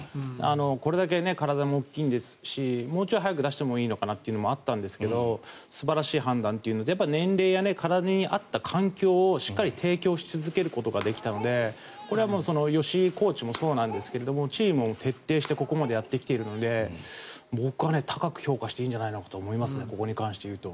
これだけ体も大きいですしもうちょい早く出してもいいのかなと思ったんですが素晴らしい判断というので年齢や体に合った環境をしっかり提供し続けることができたのでこれは吉井コーチもそうなんですがチームも徹底してここまでやってきているので僕は高く評価していいのではと思います、ここに関して言うと。